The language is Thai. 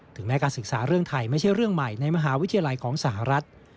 แม้การศึกษาเรื่องไทยไม่ใช่เรื่องใหม่ในมหาวิทยาลัยของสหรัฐ